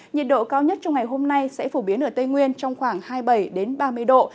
nhiệt độ cao nhất trong ngày hôm nay sẽ phổ biến ở tây nguyên trong khoảng hai mươi bảy ba mươi độ